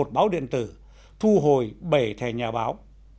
báo điện tử thu hồi bảy thẻ nhà báo